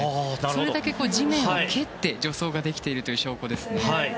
それだけ地面を蹴って助走できている証拠ですね。